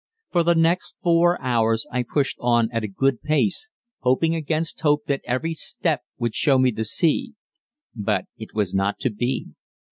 For the next four hours I pushed on at a good pace, hoping against hope that every step would show me the sea. But it was not to be.